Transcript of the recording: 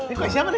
ini kue siapa deh